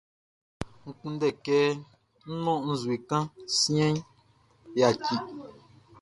N kunndɛ kɛ ń nɔ́n nzue kan siɛnʼn, yaki.